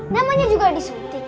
namanya juga disuntik